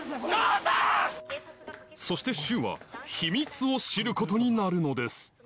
そして柊は秘密を知ることになるのです